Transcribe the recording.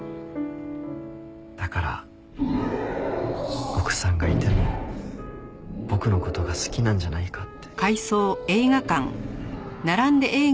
だから奥さんがいても僕の事が好きなんじゃないかって。